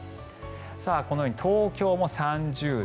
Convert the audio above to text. このように東京も３０度。